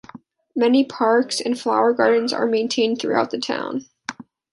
Many parks and flower gardens are maintained throughout the town.